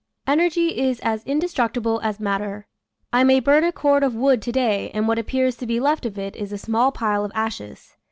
Energy is as indestructible as matter. I may burn a cord of wood to day and what appears to be left of it is a small pile of ashes.